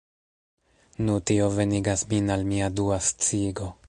Nu, tio venigas min al mia dua sciigo.